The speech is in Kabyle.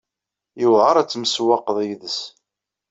Yewɛeṛ ad temsewwaqeḍ yid-s.